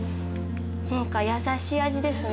何か優しい味ですね。